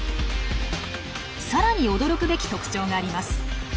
さらに驚くべき特徴があります。